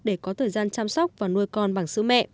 để có thời gian chăm sóc và nuôi con bằng sữa mẹ